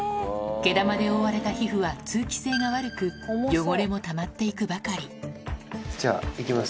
毛玉で覆われた皮膚は通気性が悪く汚れもたまって行くばかりじゃあ行きます。